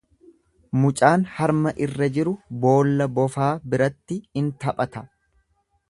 Mucaan harma irra jiru boolla bofaa biratti in taphata.